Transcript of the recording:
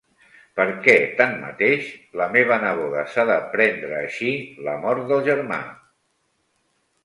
Perquè, tanmateix, la meva neboda s’ha de prendre així la mort del germà?